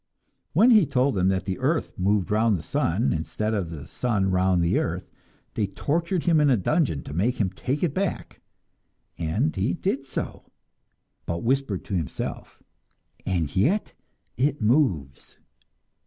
When he told them that the earth moved round the sun instead of the sun round the earth, they tortured him in a dungeon to make him take it back, and he did so, but whispered to himself, "And yet it moves."